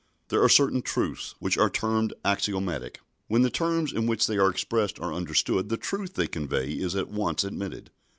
There are certain truths which are termed axiomatic. When the terms in which they are expressed are understood, the truth they convey is at once admitted.